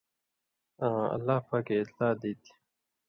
آں اللہ پاکے اطلاع دِتیۡ۔